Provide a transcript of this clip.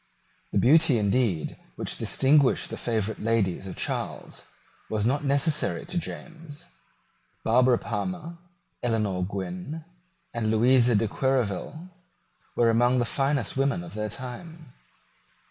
The beauty, indeed, which distinguished the favourite ladies of Charles was not necessary to James. Barbara Palmer, Eleanor Gwynn, and Louisa de Querouaille were among the finest women of their time.